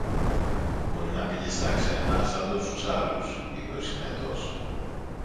Μπορεί να πήγε στα ξένα σαν τόσους άλλους, είπε ο Συνετός.